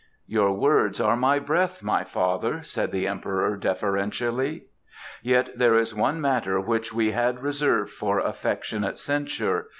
"Your words are my breath, my father," said the Emperor, deferentially. "Yet there is one matter which we had reserved for affectionate censure.